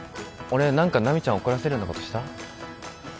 俺何か奈未ちゃん怒らせるようなことした？